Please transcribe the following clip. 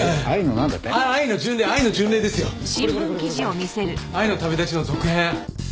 『愛の旅だち』の続編。